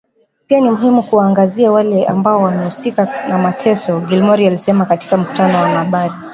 Pia ni muhimu kuwaangazia wale ambao wamehusika na mateso; Gilmore alisema katika mkutano na wanahabari